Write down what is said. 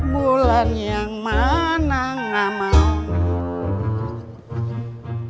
bulan yang mana gak mau